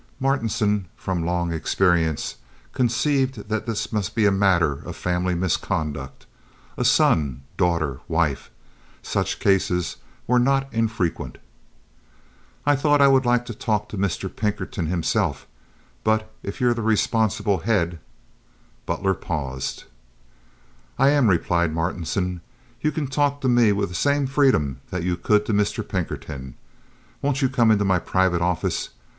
Martinson, from long experience conceived that this must be a matter of family misconduct—a son, daughter, wife. Such cases were not infrequent. "I thought I would like to talk to Mr. Pinkerton himself, but if you're the responsible head—" Butler paused. "I am," replied Martinson. "You can talk to me with the same freedom that you could to Mr. Pinkerton. Won't you come into my private office?